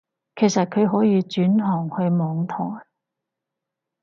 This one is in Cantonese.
其實佢可以轉行去網台